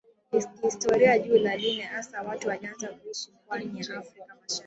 Kihistoria juu ya lini hasa watu walianza kuishi pwani ya Afrika mashariki